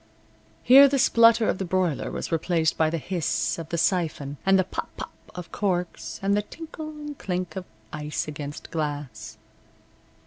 Here the splutter of the broiler was replaced by the hiss of the siphon, and the pop pop of corks, and the tinkle and clink of ice against glass.